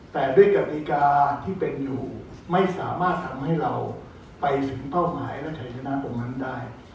แต่ด้วยกติกาที่เป็นอยู่ไม่สามารถทำให้เราไปถึงเป้าหมายและชัยชนะตรงนั้นได้